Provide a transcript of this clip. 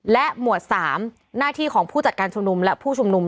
และหมวด๓หน้าที่ของผู้จัดการชุมนุมและผู้ชุมนุม